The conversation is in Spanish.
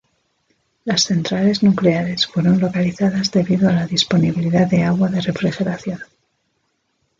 Las centrales nucleares fueron localizadas debido a la disponibilidad de agua de refrigeración.